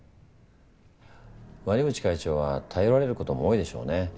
鰐淵会長は頼られることも多いでしょうね。